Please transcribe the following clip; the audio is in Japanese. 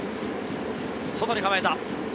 外に構えた。